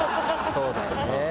そうだよね。